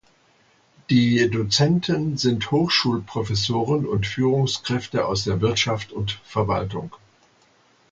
Die Dozenten sind Hochschulprofessoren und Führungskräfte aus der Wirtschaft und Verwaltung.